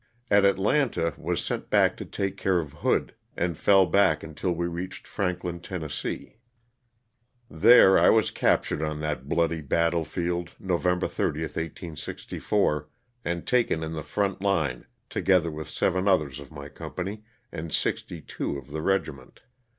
At Atlanta was sent back to take care of Hood, and fell back until we reached Franklin, Tenn. There I was captured on that bloody battle field, November 30, 1864, and taken in the front line, together with seven others of my company and sixty two of the regiment.